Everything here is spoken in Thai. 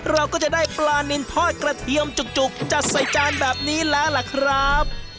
เราก็จะได้ปลานินทอดกระเทียมจุกจัดใส่จานแบบนี้แล้วล่ะครับ